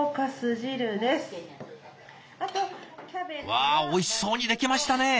わあおいしそうに出来ましたね！